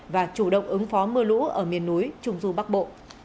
và chủ động ứng phó mưa lũ ở miền núi trung du bắc bộ